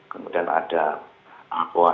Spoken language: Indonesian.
kemudian ada aqua